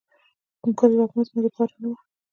د ګل وږمه زما دپار نه وه